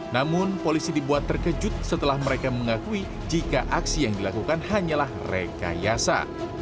namun polisi dibuat terkejut setelah mereka mengakui jika aksi yang dilakukan hanyalah rekayasa